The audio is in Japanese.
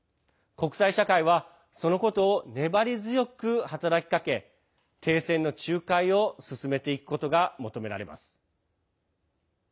国際社会はそのことを粘り強く働きかけ停戦の仲介を進めていくことが求められます。